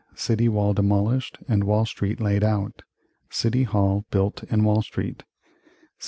City wall demolished and Wall Street laid out City Hall built in Wall Street 1700.